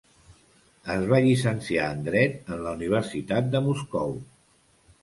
Es va llicenciar en Dret en la Universitat de Moscou.